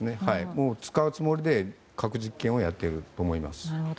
もう使うつもりで核実験をやっていると思います。